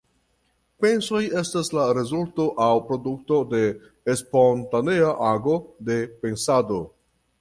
Pensoj estas la rezulto aŭ produkto de spontanea ago de pensado.